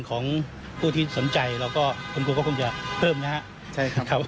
ของผู้ที่สนใจแล้วก็คุณครูก็คงจะเพิ่มนะครับใช่ครับ